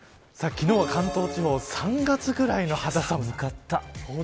昨日は関東地方３月ぐらいの肌寒さ。